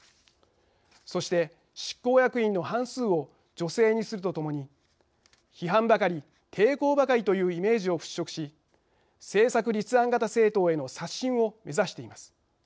そして、執行役員の半数を女性にするとともに批判ばかり、抵抗ばかりというイメージを払しょくし政策立案型政党への刷新を目指しています。